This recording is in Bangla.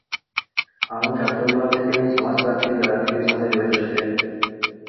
আমু ছাত্রজীবন থেকেই সমাজতান্ত্রিক রাজনীতির সাথে জড়িত ছিলেন।